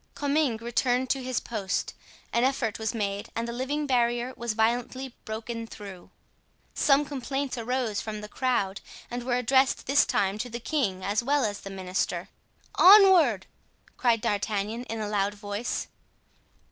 Comminges returned to his post. An effort was made and the living barrier was violently broken through. Some complaints arose from the crowd and were addressed this time to the king as well as the minister. "Onward!" cried D'Artagnan, in a loud voice.